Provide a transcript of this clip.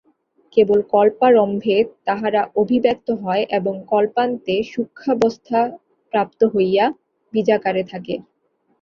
কেবল কল্পারম্ভে তাহারা অভিব্যক্ত হয়, এবং কল্পান্তে সূক্ষ্মাবস্থা প্রাপ্ত হইয়া বীজাকারে থাকে।